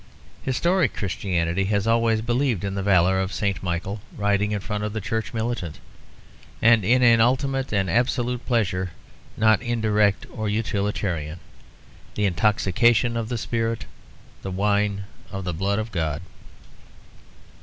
Historic Christianity has always believed in the valour of St. Michael riding in front of the Church Militant; and in an ultimate and absolute pleasure, not indirect or utilitarian, the intoxication of the spirit, the wine of the blood of God.